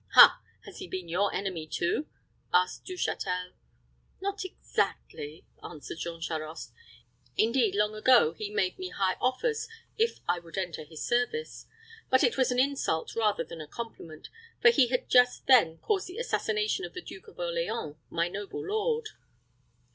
"Ha! Has he been your enemy, too?" asked Du Châtel. "Not exactly," answered Jean Charost. "Indeed, long ago he made me high offers if I would enter his service; but it was an insult rather than a compliment; for he had just then caused the assassination of the Duke of Orleans, my noble lord."